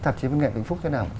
tạp chí văn nghệ bình phúc thế nào